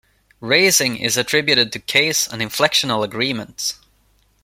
Raising is attributed to Case and Inflectional Agreement.